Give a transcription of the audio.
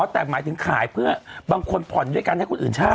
แต่หมายถึงขายเพื่อบางคนผ่อนด้วยกันให้คนอื่นเช่า